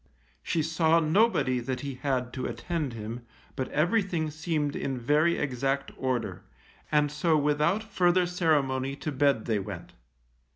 She saw nobody that he had to attend him, but everything seemed in very exact order, and so without further ceremony to bed they went.